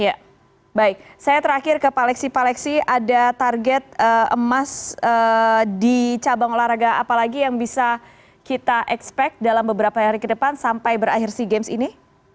ya baik saya terakhir ke paleksi paleksi ada target emas di cabang olahraga apa lagi yang bisa kita expect dalam beberapa hari ke depan sampai berakhir sea games ini